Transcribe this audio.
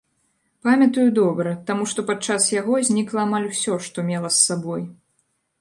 Памятаю добра, таму што падчас яго знікла амаль усё, што мела з сабой.